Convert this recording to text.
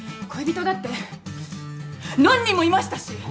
恋人だって何人もいましたし。